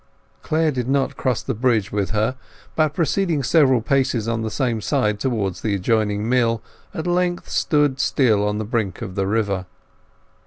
Clare did not cross the bridge with her, but proceeding several paces on the same side towards the adjoining mill, at length stood still on the brink of the river.